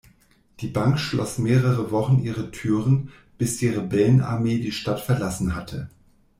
Die Bank schloss mehrere Wochen ihre Türen, bis die Rebellenarmee die Stadt verlassen hatte.